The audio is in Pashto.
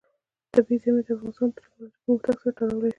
طبیعي زیرمې د افغانستان د تکنالوژۍ پرمختګ سره تړاو لري.